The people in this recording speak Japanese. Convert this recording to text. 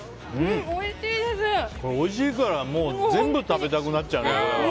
おいしいから全部食べたくなっちゃうね。